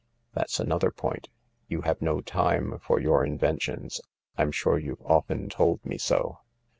"That's another point. You have no time for your inventions — I'm sure you've often told me so.